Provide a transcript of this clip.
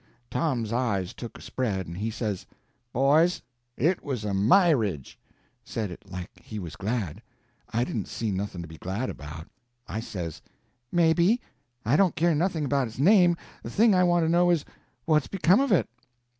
Tom's eyes took a spread, and he says: "Boys, it was a _my_ridge!" Said it like he was glad. I didn't see nothing to be glad about. I says: "Maybe. I don't care nothing about its name, the thing I want to know is, what's become of it?"